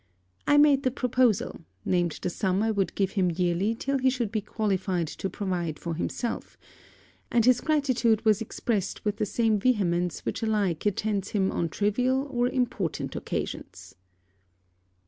I made the proposal; named the sum I would give him yearly till he should be qualified to provide for himself; and his gratitude was expressed with the same vehemence which alike attends him on trivial or important occasions.